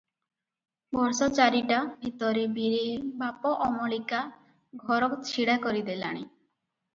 ବର୍ଷଚାରିଟା ଭିତରେ ବୀରେଇ ବାପ ଅମଳିକା ଘର ଛିଡ଼ା କରିଦେଲାଣି ।